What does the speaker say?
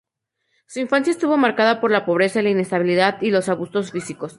Su infancia estuvo marcada por la pobreza, la inestabilidad y los abusos físicos.